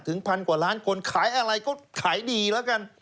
พันกว่าล้านคนขายอะไรก็ขายดีแล้วกัน